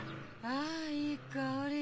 ああいい香り。